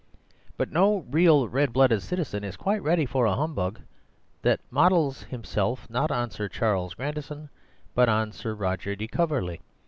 But no real red blooded citizen is quite ready for a humbug that models himself not on Sir Charles Grandison but on Sir Roger de Coverly.